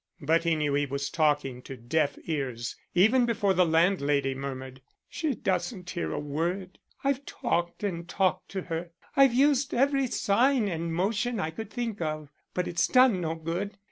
But he knew he was talking to deaf ears even before the landlady murmured: "She doesn't hear a word. I've talked and talked to her. I've used every sign and motion I could think of, but it's done no good.